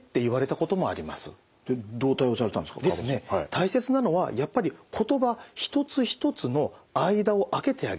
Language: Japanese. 大切なのはやっぱり言葉一つ一つの間を空けてあげる。